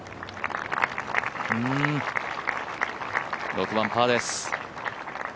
６番、パーです。